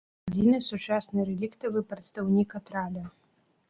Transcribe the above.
Адзіны сучасны рэліктавы прадстаўнік атрада.